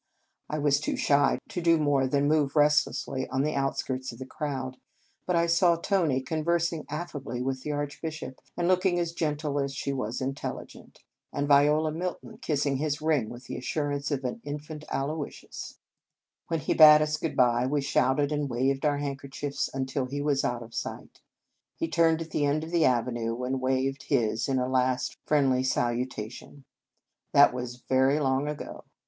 I was too shy to do more than move restlessly on the outskirts of the crowd; but I saw Tony conversing af fably with the Archbishop (and look ing as gentle as she was intelligent), and Viola Milton kissing his ring with the assurance of an infant Aloysius. 124 Un Conge sans Cloche When he bade us good by, we shouted and waved our handkerchiefs until he was out of sight. He turned at the end of the avenue, and waved his in a last friendly salutation. That was very long ago.